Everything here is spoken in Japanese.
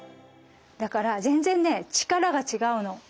だから全然力がちがうの。